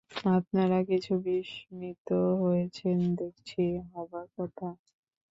আপনারা কিছু বিস্মিত হয়েছেন দেখছি– হবার কথা।